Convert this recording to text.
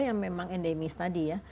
yang memang endemis tadi ya